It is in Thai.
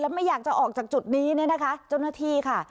ไม่อยากจะออกจากจุดนี้เนี่ยนะคะเจ้าหน้าที่ค่ะ